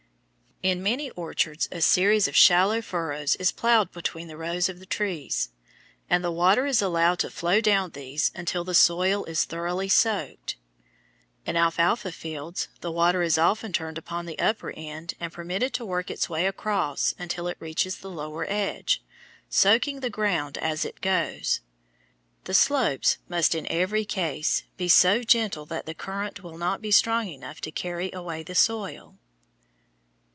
In many orchards a series of shallow furrows is ploughed between the rows of trees, and the water is allowed to flow down these until the soil is thoroughly soaked. In alfalfa fields the water is often turned upon the upper end and permitted to work its way across until it reaches the lower edge, soaking the ground as it goes. The slopes must in every case be so gentle that the current will not be strong enough to carry away the soil.